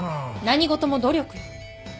何事も努力よ。